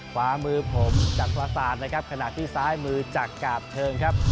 ขวามือผมจากประสาทนะครับขณะที่ซ้ายมือจากกาบเชิงครับ